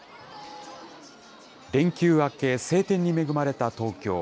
連休明け、晴天に恵まれた東京。